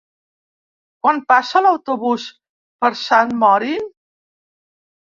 Quan passa l'autobús per Sant Mori?